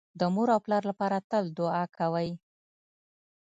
د مور او پلار لپاره تل دوعا کوئ